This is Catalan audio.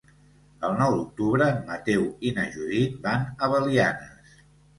El nou d'octubre en Mateu i na Judit van a Belianes.